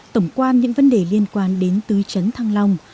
tổng quan những vấn đề liên quan đến tứ chấn thăng long